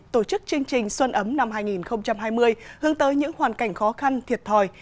tổ chức chương trình xuân ấm năm hai nghìn hai mươi hướng tới những hoàn cảnh khó khăn thiệt thòi